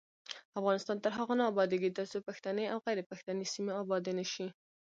افغانستان تر هغو نه ابادیږي، ترڅو پښتني او غیر پښتني سیمې ابادې نشي.